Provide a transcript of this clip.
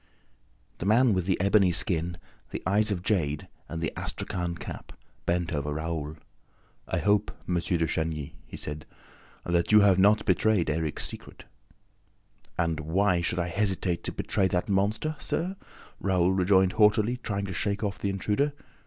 The man with the ebony skin, the eyes of jade and the astrakhan cap bent over Raoul. "I hope, M. de Chagny," he said, "that you have not betrayed Erik's secret?" "And why should I hesitate to betray that monster, sir?" Raoul rejoined haughtily, trying to shake off the intruder.